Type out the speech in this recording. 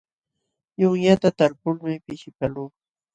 Yunyata talpulmi pishipaqluu.